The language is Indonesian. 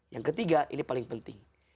yang ketiga ini paling penting